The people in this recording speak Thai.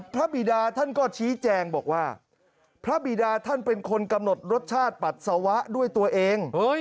บิดาท่านก็ชี้แจงบอกว่าพระบิดาท่านเป็นคนกำหนดรสชาติปัสสาวะด้วยตัวเอง